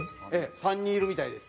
３人いるみたいです。